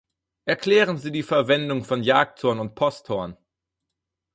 Erklären Sie die Verwendung von Jagdhorn und Posthorn!